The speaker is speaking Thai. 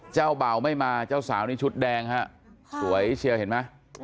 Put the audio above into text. เจ้าเบาไม่มาเจ้าสาวนี่ชุดแดงฮะสวยเชียวเห็นไหม